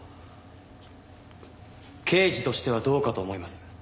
刑事としてはどうかと思います。